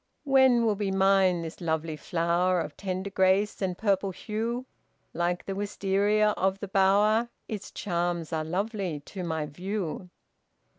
"When will be mine this lovely flower Of tender grace and purple hue? Like the Wistaria of the bower, Its charms are lovely to my view."